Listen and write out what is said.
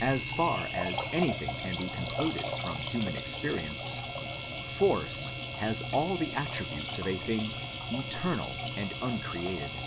As far as anything can be concluded from human experience Force has all the attributes of a thing eternal and uncreated.